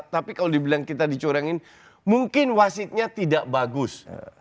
tapi kalau dibilang kita dicorengin mungkin wasitnya tidak bagus